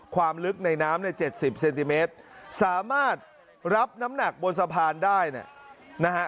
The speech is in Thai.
ความลึกในน้ำเนี่ย๗๐เซนติเมตรสามารถรับน้ำหนักบนสะพานได้เนี่ยนะฮะ